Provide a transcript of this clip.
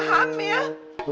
eh mak mak mak